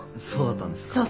そうだったんですか。